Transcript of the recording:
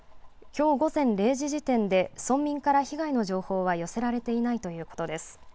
きょう午前０時時点で村民から被害の状況は寄せられていないということです。